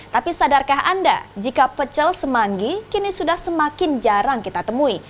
tapi sadarkah anda jika pecel semanggi kini sudah semakin jarang kita temui